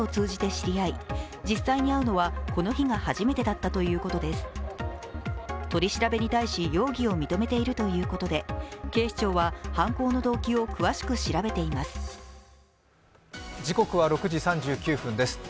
取り調べに対し容疑を認めているということで警視庁は犯行の動機を詳しく調べています。